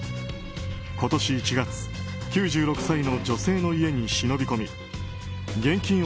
今年１月９６歳の女性の家に忍び込み現金